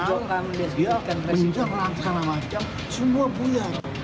menjalankan alam acara semua buyar